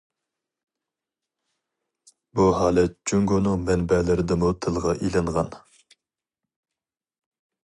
بۇ ھالەت جۇڭگونىڭ مەنبەلىرىدىمۇ تىلغا ئېلىنغان.